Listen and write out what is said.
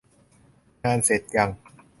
งานเสร็จยัง ?